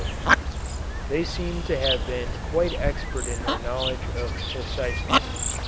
They seem to have been quite expert in their knowledge of phthisis.